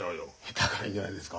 だからいいんじゃないですか。